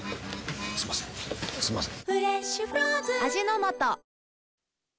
すみませんすみません。